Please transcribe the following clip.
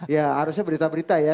ya harusnya berita berita ya